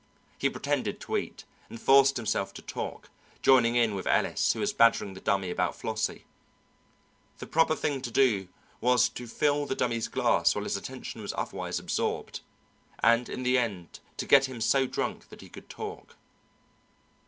He pretended to eat, and forced himself to talk, joining in with Ellis, who was badgering the Dummy about Flossie. The proper thing to do was to fill the Dummy's glass while his attention was otherwise absorbed, and in the end to get him so drunk that he could talk.